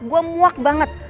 gue muak banget